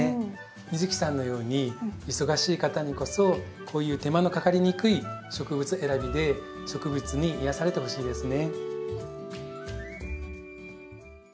美月さんのように忙しい方にこそこういう手間のかかりにくい植物選びで植物に癒やされてほしいですね。